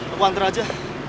aku antar aja